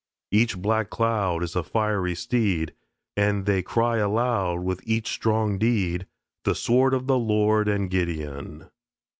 Each black cloud Is a fiery steed. And they cry aloud With each strong deed, "The sword of the Lord and Gideon."